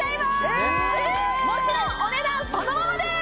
えっもちろんお値段そのままです！